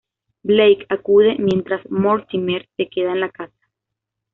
Blake acude, mientras Mortimer se queda en la casa.